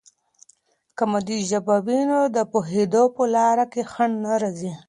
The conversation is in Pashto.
که مادي ژبه وي، نو د پوهیدو په لاره کې خنډ نه راځي.